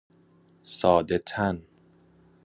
ساده تن